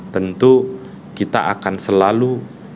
tentu kita akan selalu